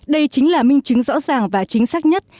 đây chính là minh chứng rõ ràng và chính xác nhất